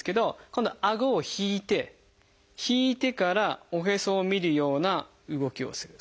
今度はあごを引いて引いてからおへそを見るような動きをする。